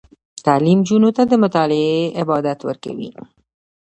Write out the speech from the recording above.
تعلیم نجونو ته د مطالعې عادت ورکوي.